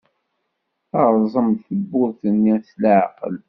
Terẓem-d tewwurt-nni s leɛqel.